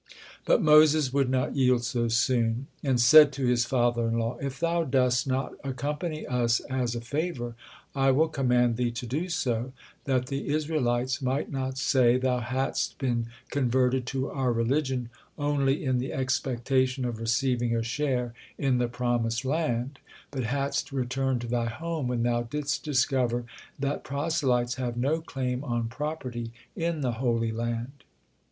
But Moses would not yield so soon, and said to his father in law: "If thou dost not accompany us as a favor, I will command thee to do so, that the Israelites might not say thou hadst been converted to our religion only in the expectation of receiving a share in the promised land, but hadst returned to thy home when thou didst discover that proselytes have no claim on property in the Holy Land.